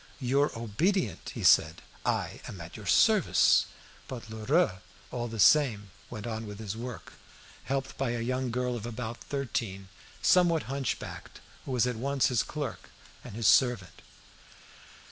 "Your obedient!" he said; "I am at your service." But Lheureux, all the same, went on with his work, helped by a young girl of about thirteen, somewhat hunch backed, who was at once his clerk and his servant.